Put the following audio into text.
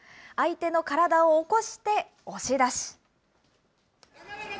相手の体を起こして押し出し。